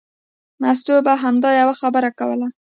مستو به همدا یوه خبره کوله.